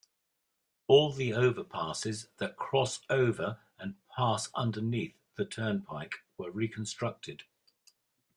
All the overpasses that cross over and pass underneath the turnpike were reconstructed.